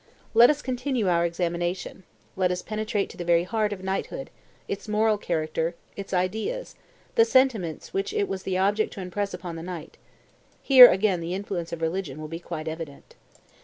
Let us continue our examination; let us penetrate to the very heart of knighthood, its moral character, its ideas, the sentiments which it was the object to impress upon the knight. Here again the influence of religion will be quite evident.